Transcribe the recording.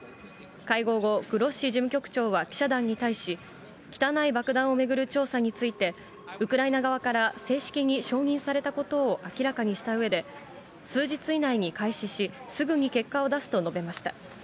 会合後、グロッシ事務局長は記者団に対し、汚い爆弾を巡る調査について、ウクライナ側から正式に承認されたことを明らかにしたうえで、数日以内に開始し、すぐに結果を出すと述べました。